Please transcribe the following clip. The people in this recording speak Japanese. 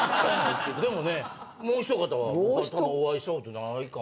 でもねもうひとかたはまったくお会いしたことないかも。